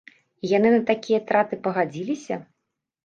І яны на такія траты пагадзіліся?